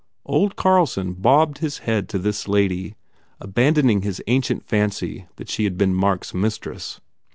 Old Carlson bobbed his head to this lady, aban doning his ancient fancy that she had been Mark s mistress.